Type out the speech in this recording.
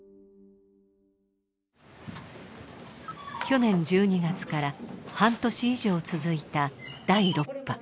去年１２月から半年以上続いた第６波。